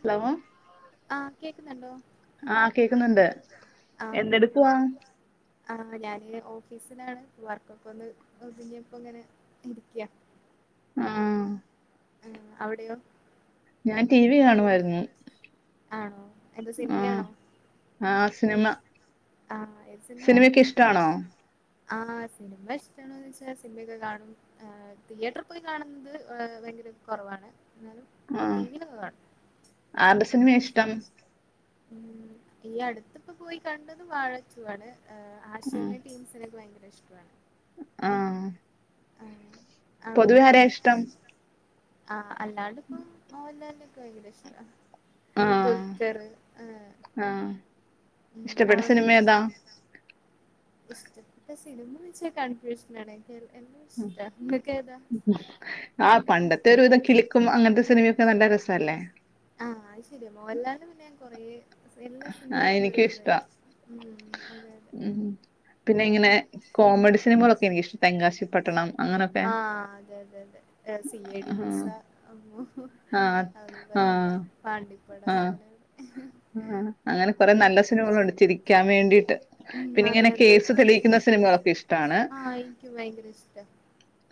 Hello ആഹ് കേക്കുന്നുണ്ടോ ആഹ് കേക്കുന്നുണ്ട് ആഹ് എന്തെടുക്കവാ ആഹ് ഞാന് ഓഫീസിലാണ് വർക്കൊക്കെ ഒന്ന് ഒതുങ്ങിയപ്പൊ ഇങ്ങനെ ഇരിക്ക്യാ ആഹ് ആഹ് അവിടെയോ ഞാൻ ടീവി കാണുവായിരുന്നു ആണോ എന്താ സിന്മയാണോ ആ സിനിമ സിനിമയാ സിനിമയൊക്കെ ഇഷ്ടാണോ ആഹ് സിനിമ ഇഷ്ടാണോന്നോയിച്ചാല് സിനിമയൊക്കെ കാണും ആഹ് തിയേറ്ററി പോയി കാണ്ന്നത് [unintelligible] ങ്കിലും കൊറവാണ് എന്നാലും ഏഹ് ടീവിലൊക്ക കാണും സിനിമേ ഇഷ്ടം ഉം ഈ അടുത്ത്പ്പൊ പോയി കണ്ടത് വാഴാ റ്റു ആണ് ആ ആഷിറന്റെ ടീംസിനക്ക് വയങ്കര ഇഷ്ടുവാണ് ആഹ ആ അവിടെയൊ ആ അല്ലാണ്ടിപ്പം മോലാലിന്റെ ഭയങ്കര ഇഷ്ട ആ ദുൽഖറ് ആ ആ ഇഷ്ടപ്പെട്ട സിനിമേതാ ഇഷ്ടപ്പെട്ട സിനിമ വെച്ച കൺഫ്യൂഷനാണ ആ പണ്ടത്തെ ഒരുവിധം കിലുക്കും അങ്ങനത്തെ സിനിമയൊക്കെ നല്ല രസവല്ലേ ആ അയ് ശരിയാ മോഹൻലാലിന് പിന്നെ ഞാൻ കൊറേ സില്ല ആ സിനിമയും എനിക്കും ഇഷ്ടാ [unintelligible] അതെ അതെ ഉം പിന്നെ ഇങ്ങനെ ഉം കോമഡി സിനിമകളൊക്കെ എനിക്കിഷ്ട തെങ്കാശി പട്ടണം അങ്ങനൊക്കെ ആ അതെ അതെ അതെ ഏ സീയേടി മൂസ അമ്മൊ ആ ആ അതൊന്നും ആ പറയണ്ട പാണ്ടിപ്പട ആ അങ്ങനെ അങ്ങനെ കൊറെ നല്ല സിനിമകളുണ്ട് ചിരിക്കാൻ വേണ്ടിട്ട് ഉം പിന്നെ അതെ ഇങ്ങനെ അതെ അതെ കേസ് തെളിയിക്കുന്ന സിനിമകളൊക്കെ ഇഷ്ടാണ് ആഹ് ഇൻക്കും ഭയങ്കര ഇഷ്ടാ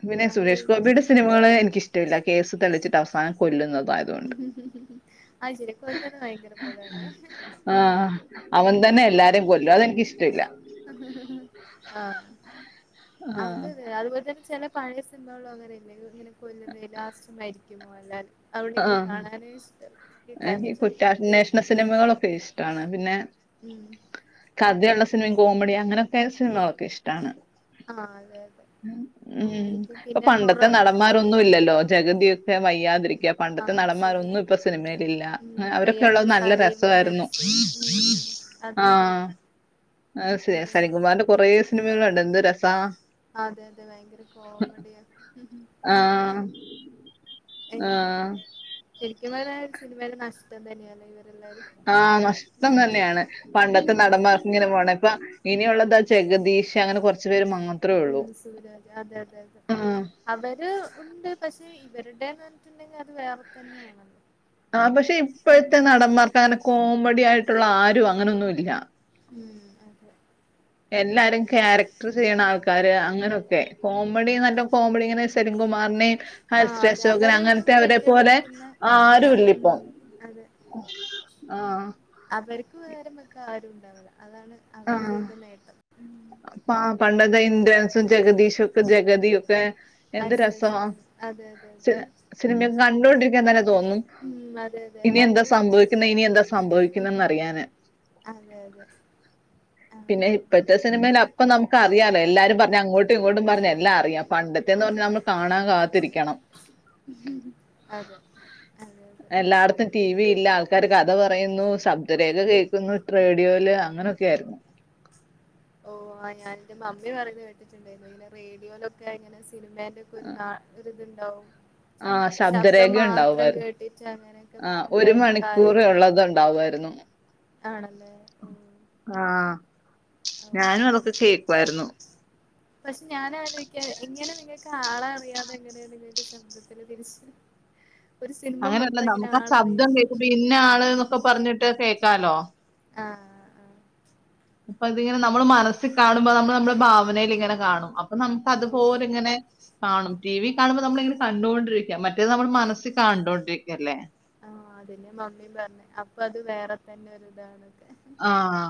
പിന്നെ അത് സുരേഷ് ഭയങ്കര ഗോപിടെ സിനിമകള് എനിക്കിഷ്ടവില്ല കേസ് തെളിച്ചിട്ട് അവസാനം കൊല്ലുന്നത് [unintelligible] അയ്ശരിയാ കൊല്ലുന്നത് വെയങ്കര ആ അവൻ തന്നെ എല്ലാരേം കൊല്ലു അതെനിക്കിഷ്ടവില്ല [unintelligible] ആ ആഹ് അതതെ അതുപോലെ തന്നെ ചെല പഴയ സിനിമകളോ അങ്ങനെല്ലെ ഇങ്ങനെ കൊല്ലുന്നെ ലാസ്റ്റ് മരിക്കും മോഹലാല് ആഹ എനിക്ക് കരച്ചിലൊക്കെ കുറ്റാന്വേഷണ സിനിമകളൊക്കെ ഇഷ്ടാണ് പിന്നെ ഉം ആദ്ധ്യള്ള സിനിമയും കോമഡി അങ്ങനൊക്കെ സിന്മളൊക്കെ ഇഷ്ട്ടാണ് ആാതേ ഉം ഇപ്പൊ പണ്ടത്തെ ഹൊറർ നടന്മാരൊന്നു ഇല്ലല്ലോ ജഗതിയൊക്കെ വയ്യാതിരി ക്ക പണ്ടത്തെ ആഹ് ശരിയാ നടന്മാരൊന്നു ഇപ്പൊ സിനിമയിലില്ല ഉം ഇപ്പൊ ഈ അവരൊക്കെ ഉള്ളത് അടുത്ത് നല്ല സലീം രസ്വായിരുന്നു. മരിച്ച് ഉം ആ അതെ അതെ അതെ സ് ആ, ഭയങ്കര സലീംകുമാറ്ന്റെ കൊറേ സിനിമകളെ ന്ത്‌ രസാ അതെ അതെ വെയ്ങ്കര കോമഡിയാ ആഹ് ആഹ് ശരിക്കും പറഞ്ഞ ഒരു സിനിമേൻ്റെ നഷ്ടം തന്നെയാണ് ഇവ ആ നഷ്ടം തന്നെയാണ് പണ്ടത്തെ ഉം നടന്മാർ ഇങ്ങനെ പോണെ ഇപ്പൊ ഇനിയുള്ളതാ ജെഗതീ ഷ് അങ്ങനെ കൊറ് ഉം സൂരാജ് അതെ അതെ അതെ ആഹ് അവര് ഉണ്ട് പക്ഷെ ഇവരുടേന്ന് പറഞ്ഞിട്ടുണ്ടെങ്കിൽ അത് വേറെ തന്നെയാണ് ആ പക്ഷെ ഇപ്പൊഴ്ത്തെ നടന്മാർക്കങ്ങനെ കോമഡി ആയിട്ടുള്ള ആരു അങ്ങനൊന്നുല്ല്യ ഉം അതെ എല്ലാരും ക്യാരക്ടറ് ചെയ്യണ ആൾക്കാര് അങ്ങനൊക്കെ കോമഡിനല്ല കോമഡിങ്ങനെ സലീംകു കുമാർനേം ആ അതെ അവരെയൊന്നും പോലെ വെല്ലുവിളിക്കുന്ന ഇല്ല്യ ഉം അതെ ആ അവര്ക്ക് പരംവെക്കാ ആരു ആ ഉം പാ പണ്ടത്തെ ഇന്ദൻസും ജഗദീഷൊ ക്കെ ജഗതി ഒക്കെ എന്ത് അര്സ്രീ രസാ അശോൻ അതെ അതെ അതെ കണ്ടോണ്ടിരിക്കാൻത്തന്നെ തോന്നും ഉം അതെ അതെ എല്ലാരും ഇനിയെന്താ കൂടി കുടിച്ചു സംഭവിക്കുന്നെ ഇനിയെന്താ സംഭവിക്കുന്നന്ന് അറിയാന് അതെ അതെ ആ പിന്നെ ഇപ്പഴ്ത്തെ സിനിമയിലപ്പൊ നമുക്ക് അറിയാന്നെ എല്ലാരും പറഞ്ഞ് അങ്ങോട്ടു ഇങ്ങോട്ടും പറഞ്ഞ് എല്ലാ അറിയാം പണ്ടത്തേന്ന് പറഞ്ഞാ നമ്മള് കാണാൻ കാത്തിരിക്കണം അതെ അതെ അതെ ക്കാര് കഥ പറയുന്നു ശബ്ദരേഖ കേക്കുന്നു റേഡിയോയില് അങ്ങനെയൊക്കെ ആയിരുന്നു ഓ ആ ഞാ എന്റെ മമ്മി പറഞ് കേട്ടിട്ടുണ്ടായിരുന്നു ഇങ്ങെ റേഡിയോലൊക്കെ ങ്ങനെ സ് സിനിമേന്റൊക്കെ ന്നാ ഒരു ഇതുണ്ടാവും ആ ശബ്ദരേഖ ഉണ്ടാവുമായിരുന്നു കേട്ടിട്ട് അങ്ങനെയൊക്കെ ആ ഒരു ഉണ്ടായിരുന്ന മണിക്കൂറ് കാലണ്ട് ഉള്ളത് ഉണ്ടാവുമായിരുന്നു രുന്നു ആണല്ലേ ഓ ഓ ഞാനും അങ്ങനെ അതൊക്കെ കേക്കുആയിരുന്നു പക്ഷെ ഞാൻ ആലോചിക്കാ എങ്ങനെ നിങ്ങൾക്ക് ആളെ അറിയാതെ എങ്ങനെയാണ് ങ്ങക്ക് ശബ്ദത്തിൽ തിരിച്ച് ഒരു സിനിമ അങ്ങനെയല്ല മൊത്തം ഇങ്ങനെ നമുക്ക് ആ ശബ്ദം ആളറിയാതെ കേൾക്കും പിന്നെ ആള് ന്നൊക്കെ പറഞ്ഞിട്ട് കേക്കാലോ ആ ആ അപ്പൊ ഇതിങ്ങനെ നമ്മൾ മനസ്സിൽ കാണുമ്പോ നമ്മൾ നമ്മുടെ ഭാവനയിൽ ഇങ്ങനെ കാണും അപ് പൊ നമുക്ക് ഓ അതുപോല ങ്ങനെ കാണും ടി വി കാണുമ്പോ നമ്മള ഇങ്ങനെ കണ്ടുകൊണ്ടിരിക്ക മറ്റേത് നമ്മുടെ മനസിൽ കണ്ടോണ്ടിരിക്കല്ലേ ആ അതെ മമ്മീ പറഞ്ഞെ അപ്പൊ അത് വേറെ തന്നെ ഒര് താണ് ആഹ്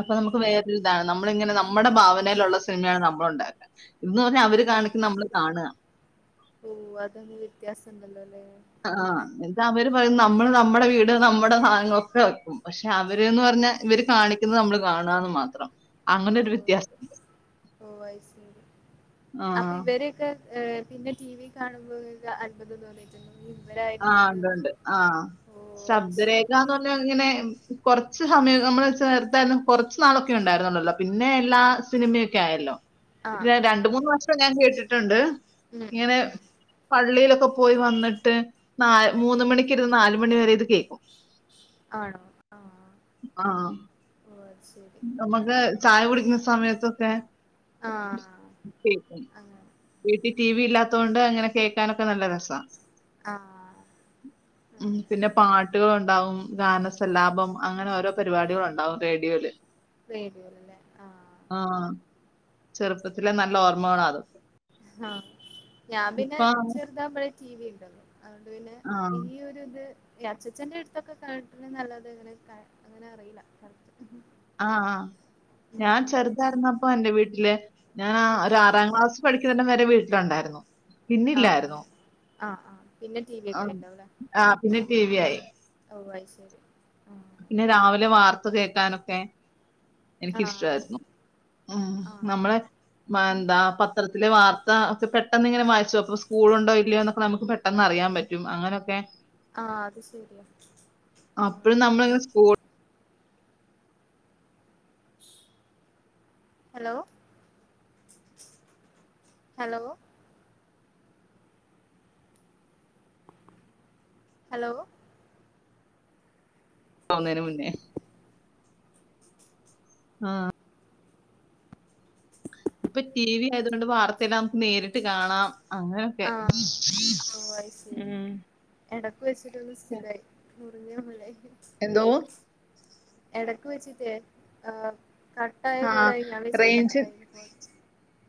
അപ്പൊ നമുക്ക് വേറൊതാ നമ്മളിങ്ങനെ നമ്മുടെ ഭാവ ലേലുള്ള സിനിമയാണ് നമ്മൾ ഉണ്ടാക്ക ഓ ഓ അതൊന്നും വ്യത്യാസം ണ്ടല്ലോ ല്ലേ ആ എന്താ അവര് പറയ നമ്മള് നമ്മുടെ വീട് നമ്മുടെ സാധനങ്ങളൊക്കെ വെക്കും പക്ഷെ അവര്ന്ന് പറഞ്ഞാ ഇവര് കാണിക്കുന്നത് നമ്മള് കാണന്ന്മാത്രം ഓ ഓ അഹ് ശരി ആ. അപ്പൊ ഇവരൊക്കെ ഏ പിന്നെ ടിവിയ കാണുമ്പൊ ങ്ങക്ക് അത്ഭുതം തോന്നിയിട്ടുണ്ടോ ഈ ഇവരായിരുന്നു ആഹ് ഉണ്ട് അതെന്ന് ഉണ്ട് ആ ഓ അത് ശരി ശബ്ദരേഖന്ന് പറഞ്ഞാ ഇങ്ങനെ കുറച്ച് സമയം നമ്മള് ചേർത്താലും കുറച്ച് നാളൊക്കെ ഉണ്ടായിരുന്നണ്ടല്ലോ പിന്നെ എല്ലാ സിനിമയൊക്കെ ആയല്ലോ ആ ര ആ രണ്ട് ആ മൂന്ന് വർഷം ഞാൻ കേട്ടിട്ടുണ്ട് ഉം ഉം ഇങ്ങനെ ഉം പള്ളിയിലൊക് ക്കൊ പോയി വന്നിട്ട് നാ മൂന്ന മണിക്ക് ഇരുന്ന് നാലുമണി വരെ ഇത് കേൾക്കും ആണോ ആഹ് ഓ അഹ് നമ്മക്ക് ചായ കുടിക്കുന്ന സമയത്തോക്കെ ആ അങ്ങനെ വീട്ടി ടി വി ഇല്ലാത് തോണ്ട് അങ്ങനെ കേൾക്കാനൊക്കെ നല്ല രസ ആ അങ്ങനെ പിന്നെ പാട്ട് ട്ടുകൾ ഉണ്ടാവും ഗാനസല്ലാപം അങ്ങനെ ഓരോ പരിപാടികൾ ഉണ്ടാവും റേഡിയോയിൽ റേഡിയോയിൽ അല്ലേ ആ ചെറുപ്പത്തിലെ നല്ല ഓർമ്മകളാഅത് ആ ഞാൻ ഇപ്പ പിന്നെ ചെറുതായപ്പോഴേ ടി വി ണ്ടല്ലോ അഓണ്ട് പിന്നെ ആ ഇനി ഒരു ഇത് ഇ അച്ചച്ചന്റെ അടുത്തൊക്കെ കേട്ട്ണ് ന്നല്ലാതെ അങ്ങനെ അറിയില്ല കറക് ആ ആ ഞാൻ ഉം ചെറുതായിരുന്നപ്പൊ എന്റെ വീട്ടില് ഞാൻ ഉം ഒരു ആറാം ക്ലാസ് പഠിക്കുന്ന വരെ വീട്ടിലുണ്ടായിരുന്നു പിന്നില്ലായിരുന്നു ആ ആ പിന്നെ ടി വി ആ ഒക്കെ ആയിണ്ടാവുലെ ആ, പിന്നെ ടി വി ആയി ഓ അത് ശരി ആഹ് പിന്നെ രാവിലെ വാർത്ത കേക്കാനൊക്കെ ആഹ് എനിക്കിഷ്ടയിരുന്നു ഉ ആഹ് നമ്മള് ഉം എന്താ പത്രത്തിലെ വാർത്ത ത്ത ഒക്കെ പെട്ടെന്നിങ്ങനെ വായിച്ചു നോകുമ്പോ അപ്പം സ്കൂൾ ഉണ്ടോ ഇല്ലയോ എന്നൊക്കെ നമുക്ക് പെട്ടെന്ന് അറിയാൻ പറ്റും അങ്ങനെയൊക്കെ ആ അത് ശരിയ ആ നമ്മങ് സ്കൂൾ ഹലോ ഹലോ ഹലോ പോന്നേന് മുന്നേ ആഹ് ഇപ്പൊ ടി വി ആയതുകൊണ്ട് വാർത്തയെല്ലാം നേരിട്ട് കാണാം അങ്ങനൊക്കെ ആഹ് ഉം [unintelligible] മുറഞ്ഞ പോലായി എന്തോ എടക്ക് വെച്ചിട്ടേ ആഹ് കട്ടായ ആ പോലായി ഞാം വിചാര്ച്ച് റേഞ്ച് കട്ടായി [unintelligible]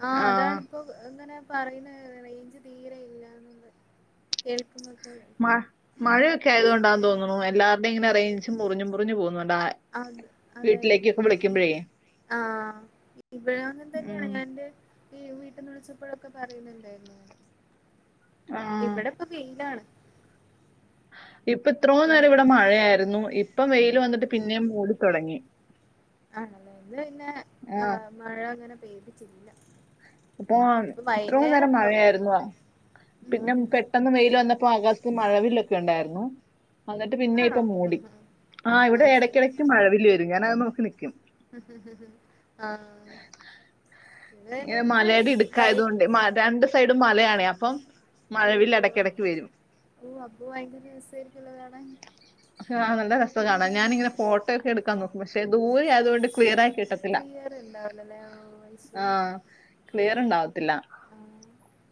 ആ അതാണിപ്പോ എങ്ങനെ പറിണെ റെയ്ഞ്ച് തീരെ ഇല്ല [inaudible] കേൾ മ മഴയൊക്കെ ആയതൊണ്ടാന്ന് തോന്ന്ണു എല്ലാവര്ടെം ങ്ങനെ റെയ്ഞ്ച് മുറിഞ്ഞ് മുറിഞ്ഞ് പോവുന്ന അത് അതായിരിക്കും. വിളിക്കുമ്പോഴേ ആഹ് ഇവടൊം അങ്ങൻതെന്നെണ് ഉം ഞാന്റെ ഈ വീട്ട്ന്ന് വിളിച്ചപ്പോഴൊക്കെ പറയുന്നുണ്ടായിരുന്നു ആ ഇവടെ പ്പൊ വെയിലാണ്. ഇപ്പ ഇത്രോ നേരം ഇന്ന് വടെ മഴയായിരുന്നു ഇപ്പം വെയില് വന്നിട്ട് പിന്നെം മൂടിത്തൊടങ്ങി. ആണല്ലേ, ഇന്ന് പിന്നെ ആ മഴ അങ്ങനെ പെയ്തിട്ടില്ല. ഇപ്പൊൻ ഇനിയിപ്പോ എത്രോ വൈന്നേരം നേരം ഇണ്ടാവും മഴയായ്ര്ന്ന പിന്നെ ഉം പെട്ടെന്ന് വെയില് വന്ന പ്പൊ ആകാശത്ത് മഴവിലൊക്കെണ്ടായിരുന്നു. അന്നട്ട് പിന്നെ ആണോ ഇപ്പൊ മൂടി ആഹ് ഇവടെ അത് ശരി എടെക്കെടെക്ക് മഴവില്ല് വെരും ഞാനത് നോക്കി നിക്കും. ആഹ് ഇവിടെ ഇങ്ങനെ ഇന്ന് മലെടെ ഇട്ക്കായതൊണ്ടേ വൈകു മ രണ്ട് സൈഡും മലയാണേ അപ്പം മഴവില്ല് ഓഹ് ഇടയ്ക്കിടയ്ക്ക് വരും ഓഹ് അപ്പ ഭയങ്കര രസായിരിക്കല്ലോ കാണാൻ. ആഹ് നല്ല രസാ കാണാൻ ഞാനിങ്ങനെ ഫോട്ടോ ക്കെ എട്ക്കാ നോക്കും പക്ഷെ ദൂരായതൊണ്ട് ക്ലിയറായി ക്ലിയറ്ണ്ടാവ് ലല്ലേ ആഹ് അത് ശെ ആഹ് ക്ലിയറ്ണ്ടാവത്തില്ല. ആഹ്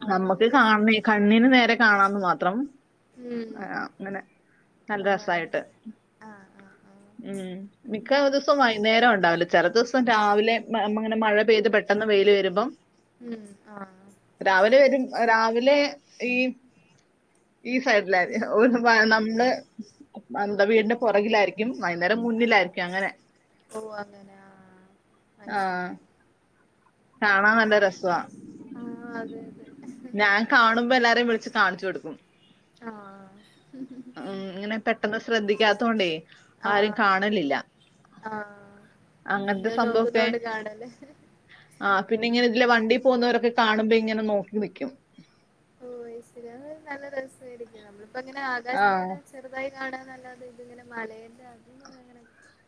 അത് നമ്മക്ക് നല്ല രസാ കാൺണെ കണ്ണിന് നേരെ കാണാന്ന് മാത്രം. ആഹ് അങ്ങനെ ഉം നല്ല രസായിട്ട് ഓ അങ്ങനെ ആഹ് ആഹ് ഉം ആഹ് മിക്ക ദിവസും വൈന്നേരാണ്ടാവല്. ചെല ദിവസം രാവിലെ മ മങ്ങനെ മഴ പെയ്ത് പെട്ടെന്ന് വെയില് വെരുമ്പം ഉം ആഹ് വരും രാവിലെ ഈ ഈ സൈഡിലാ ഓഹ് പ നംള് എന്ത വീടിന്റെ പൊറകിലായിരിക്കും വൈന്നേരം ആഹ് മുന്നിലായിരിക്കും അങ്ങനെ ഓ അങ്ങനെ ആഹ് അത് ആഹ്. ശരി കാണാൻ അങ്ങനെ നല്ല രസ്സാ. ആഹ് അതെ അതെ ഞാൻ കാണുമ്പോ എല്ലാരേം വിൾച്ച് കാൺച്ചൊട്ക്കും. ആഹ്. ഉം ഇങ്ങനെ പെട്ടെന്ന് ശ്രദ്ധിക്കാത്തോണ്ടേ ആരും ആഹ് കാണലില്ല. ആഹ് അങ്ങനത്തെ ഇങ്ങള് സംഭവമൊക്കെ നോക്കുന്നോണ്ട് കാണുല്ലേ. ആ പിന്നെ ഇങ്ങനെ ഇതിലെ വണ്ടി പോന്നോരൊക്കെ കാണുമ്പം ഇങ്ങനെ നോക്കി നിക്കും. ടോയ്സില് നല്ല രസായിരിക്കും നമ്മള്പ്പോ ഇങ്ങനെ ആ ആകാശത്ത് ഇങ്ങനെ ചെറ്താ കാണാന്നല്ലാതേ ഇത് ഇങ്ങനെ മലേന്റെ അ [unintelligible]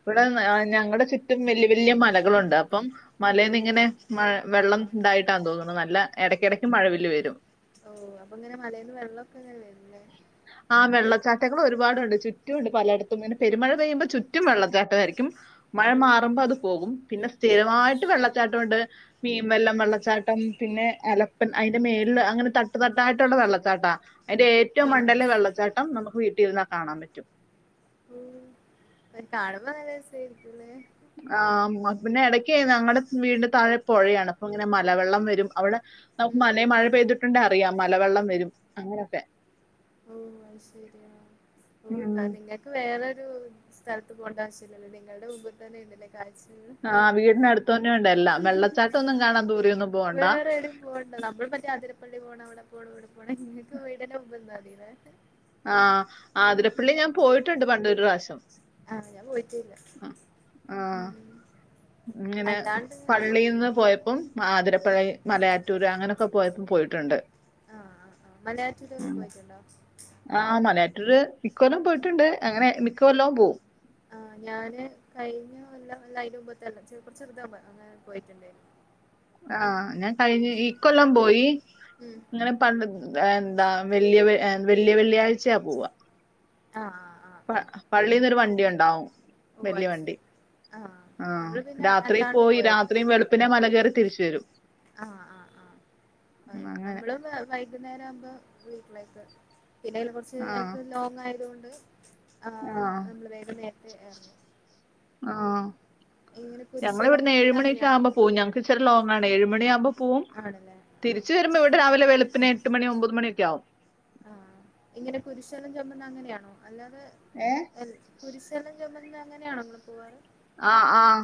ഇവിടെ ഞങ്ങടെ ചുറ്റും വല്യ വല്യ മലകളുണ്ട് അപ്പം ഓ മലേന്ന് ഇങ്ങനെ വെള്ളം ആഹ് ഇണ്ടായിട്ടാ തോന്ന്ണു നല്ല എ ടയ്ക്കിടയ്ക്ക് മഴവില്ല്‌ വരും. ഓഹ് അപ്പ അങ്ങനെ മലേന്ന് വെള്ളക്കെ ങ്ങനെ വര ആഹ് വെള്ളച്ചാറ്റങ്ങള് ഒരുപാടുണ്ട്. ചുറ്റും ഉണ്ട് പലേട്ത്തും ഇങ്ങനെ പെരുമഴ പെയ്യുമ്പോ ചുറ്റും വെള്ളച്ചാട്ടം ആര്ക്കും. മഴ ഓ മാറുമ്പോ അത് പോകും. പിന്നെ ചെ സ്ഥിരമായിട്ട് വെള്ളച്ചാട്ടം ഒണ്ട്. പീൻ വല്ലം ആഹ് വെള്ളച്ചാട്ടം പിന്നെ അല അയ്ന്റെ മേൾല് അങ്ങനെ തട്ട് തട്ടായിട്ടുള്ള വെള്ളച്ചാട്ടാ അയ്ന്റെ ഏ ഏറ്റവും ആണോ മണ്ടേല വെള്ളച്ചാട്ടം നമുക്ക് വീട്ടിലിരുന്നാ കാണാൻ പറ്റും. ഉം. അയ് കാണുമ്പോ നല്ല രസായിരി ആ പൊഴയാണ് അപ്പങ്ങനെ മലവെള്ളം വരും. അവിടെ നമുക്ക് ഉം മലേ മഴ പെയ്തിട്ടുണ്ടേ അ റിയാം മലവെള്ളം വരും. അങ്ങനൊക്കെ. ഓഹ് അത് ശരിയാ ഉം ഓ നിങ്ങക്ക് വെറൊരു സ്ഥലത്ത് പോണ്ട ആവശ്യല്ലല്ലോ, നിങ്ങൾടെ മുമ്പ് തന്നെ ഇണ്ട്ല്ലെ ആ വീടിനടുത്ത് തന്നെ ഉണ്ട് എല്ലാം വെള്ളച്ചാട്ടം ഒന്നും കാണാൻ ദൂരെയൊന്നും പോകണ്ട വേറേടിം പോ നമ്മൾ മറ്റേ അതിരപ്പള്ളി പോണ അവിടെ പോണ ഇവിടെ പോണ ഇങ്ങക്ക് വീടിന്റെ മുമ്പ് നിന്നാതിലേ ആ ആതിരപ്പള്ളി ഞാൻ പോയിട്ടുണ്ട് പണ്ടൊര് പ്രാവശ്യം ആഹ് ഞാൻ പോയിട്ടില്ല ഉം ആഹ് ഇങ്ങനെ അല്ലാണ്ട് ഇങ്ങനെ പള്ളിൽന്ന് പോയപ്പോ ആതിരപ്പള്ളി മലയാറ്റൂര് അങ്ങനെയൊക്കെ പോയപ്പോ പോയിട്ടുണ്ട് ആഹ് ആ ആ മലയാറ്റൂരൊക്കെ പോയിട്ടുണ്ടോ ആ മലയാറ്റൂര് ഇകൊല്ലം പോയിട്ടുണ്ട് അങ്ങനെ മിക്ക കൊല്ലവും പോവും ആഹ് ഞാന് കഴിഞ്ഞ കൊല്ലം അല്ല അതിന് മുമ്പത്തെ കൊല്ല കുറച്ച് ചെറുതാ അങ്ങനെ പോയിട്ടുണ്ട് ആഹ് ഞാൻ കഴിഞ്ഞ ഈ കൊല്ലം പോയി ഉം ഇങ്ങനെ പ എന്താ വല്യ വല്യ വെള്ളിയാഴ്ചയാ പോവാ ആഹ് ആ പള്ളിയിൽ ന്നൊരു വണ്ടി ഉണ്ടാവും ഓ അത് ശരി ആ രാത്രി പോയി പോയാരുന്നു രാത്രിയും വെളുപ്പിനെ മല കയറി തിരിച്ച് വരും ആഹ് ആഹ് ഉം ആഹ് അങ്ങനെ നമ്മള് വൈകുന്നേരം ആവുമ്പോ വീട്ടിലേക്ക് പിന്നെ ഒരു കൊറച്ച് ആഹ് ഞങ്ങക്ക് ലോങ് ആയത് കൊണ്ട് ആഹ് നമ്മള് വേഗ നേരത്തെ ആരുന്നു ഞങ്ങൾ ഇവിടുന്ന് ചുമന്ന ഏഴുമണിയൊക്കെ അങ്ങനെയാണോ ആകുമ്പോ പോവും ഞങ്ങക്ക് ഇച്ചിറ ലോങ്ങാണ് ഏഴുമണിയാകുമ്പോൾ പോവും ആണല്ലേ ആഹ് തിരിച്ച് വരുമ്പോ ഇവിടെ രാവിലെ വെളുപ്പിന് എട്ട് മണി ഒമ്പത് മണിയൊക്കെ ആവും ആഹ് ഇങ്ങനെ കുരിശലം ചൊമ്മന്ന അങ്ങനെയാണോ അല്ലാതെ ഏ കുരിശ ചൊമന്ന് അങ്ങനെയാണ് നിങ്ങൾ പോവാറ് ആ ആഹ്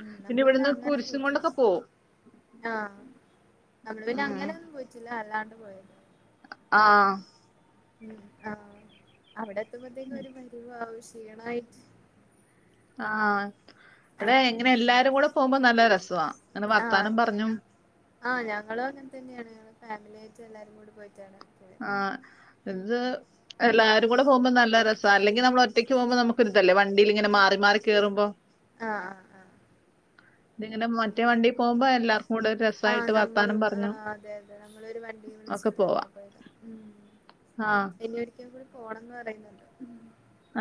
ഉം പിന്നെ നമ്മള് ഇവിടുന്ന് അങ്ങനെ കുരിശും പോയിട്ടില്ല കൊണ്ടൊക്കെ പോവും ആഹ് നമ്മള് പിന്നെ ഉം. അങ്ങനെയൊന്നും പോയിട്ടില്ല അല്ലാണ്ട് പോയത് ആഹ് ഉം ആ അവിടെ എത്തുമ്പോത്തേക്കും ഒരു പരിവാവും ശീണായി ആ ഇവിടെ ഇങ്ങനെ എല്ലാരും കൂടെ പോകുമ്പോ നല്ല രസ അങ്ങനെ വർത്താനം പറഞ്ഞും ആ ഞങ്ങളും അങ്ങനെ തന്നെയാണ് ഞങ്ങള് ഫാമിലി ആയിട്ട് എല്ലാരും കൂടി പോയ ക്കാണ് ആഹ് എന്ത് എല്ലാരും കൂടെ പോകുമ്പോ നല്ല രസ അല്ലെങ്കി നമ്മ ഒറ്റക്ക് പോക്മ്പോ നമുക്ക് ഒരിതല്ലേ വണ്ടിയിലിങ്ങനെ മാറി മാറി കേറുമ്പോ ആഹ് ആഹ് ആഹ് [unintelligible] ഇങ്ങനെ ഉം മറ്റേ വണ്ടി പോകുമ്പോ എല്ലാർക്കും കൂടെ ആഹ് രസായിട്ട് നമ്മള് വർത്താനം പറഞ്ഞു ആഹ് അതെ അതെ നമ്മളൊരു വണ്ടി അങ്ങനെ പോയത് ആ ഇനി ഒരിക്കൻ കൂടി പോണംന്ന് പറയുന്നുണ്ട്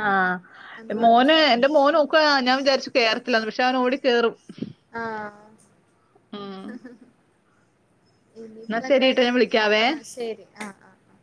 ആഹ് അന്ന് പോയ മോന് എന്റെ മോന് നോക്ക ഞാൻ വിചാരിച്ചു കേറത്തില്ലെന്ന് പക്ഷെ അവൻ ഓടി കേറും ആഹ് ഉം. എന്നാ ഇനിയിപ്പ ശരി എന്തായാലും ട്ടോ ഒ ഞാൻ നോ വിളിക്കാവേ ആഹ് ശെരി ആഹ് ആഹ് ആ